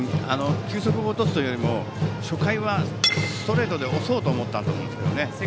球速を落とすというよりも初回はストレートで押そうと思ったんだと思うんですけどね。